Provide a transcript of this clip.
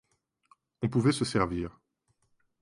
On pouvait se servir.